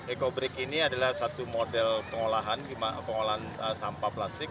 ekobrik ini adalah satu model pengolahan pengolahan sampah plastik